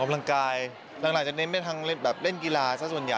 อร่อยพลังกาย